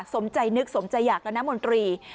สมใจนึกสมใจอยากและน้ำมนตรี